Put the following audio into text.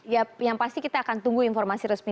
ya yang pasti kita akan tunggu informasi resmi